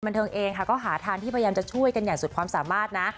บันเทิงเองค่ะก็หาทางที่พยายามจะช่วยกันอย่างสุดความสามารถนะ